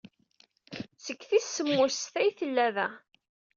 Seg tis semmuset ay tella da.